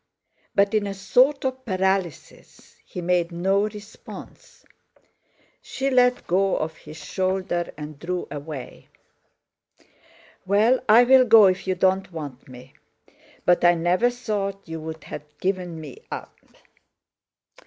But, in a sort of paralysis, he made no response. She let go of his shoulder and drew away. "Well, I'll go, if you don't want me. But I never thought you'd have given me up."